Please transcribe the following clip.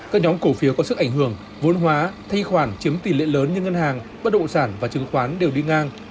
các nhóm cổ phiếu có sức ảnh hưởng vốn hóa thay khoản chiếm tỷ lệ lớn như ngân hàng bất động sản và chứng khoán đều đi ngang